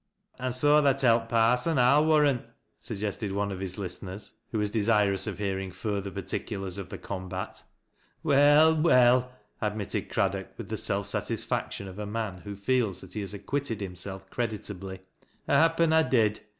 An' so tha tellt parson, I'll warrant," suggested one of his listeners, who wa« desirous of hearing further par ticulars of the combat. " Well, well," admitted Craddock with the self satisfac tion of a man who feels that he has acquitted himself creditably. "Happen I did.